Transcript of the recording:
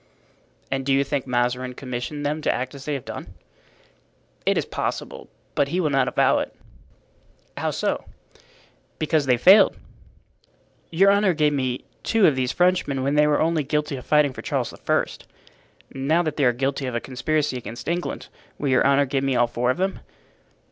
"And do you think Mazarin commissioned them to act as they have done?" "It is possible. But he will not avow it." "How so?" "Because they failed." "Your honor gave me two of these Frenchmen when they were only guilty of fighting for Charles I. Now that they are guilty of a conspiracy against England will your honor give me all four of them?"